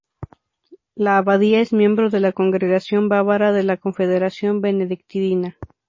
La abadía es miembro de la Congregación Bávara de la Confederación Benedictina.